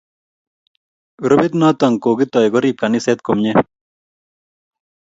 Grupit noto kokitoi korib kaniset komnye